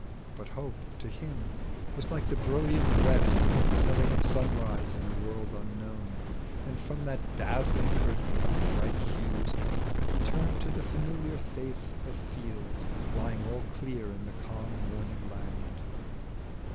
But Hope to him was like the brilliant west Telling of sunrise in a world unknown. And from that dazzling curtain of bright hues He turned to the familiar face of fields Lying all clear in the calm morning land.